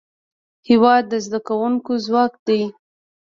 هېواد د زدهکوونکو ځواک دی.